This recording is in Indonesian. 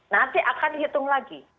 nanti akan dihitung lagi